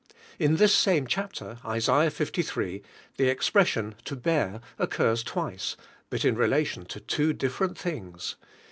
In this same chapter, Isa. liii., the ex pression, to bear, occurs twice, but in re Inlion to two different things.